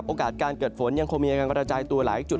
การเกิดฝนยังคงมีการกระจายตัวหลายจุด